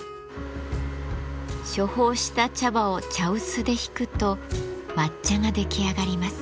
処方した茶葉を茶臼でひくと抹茶が出来上がります。